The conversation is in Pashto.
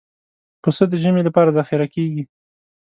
پسه د ژمي لپاره ذخیره کېږي.